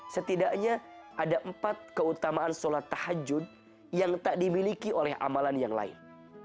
setidaknya ada empat keutamaan sholat tahajud yang tak dimiliki oleh amalan yang lain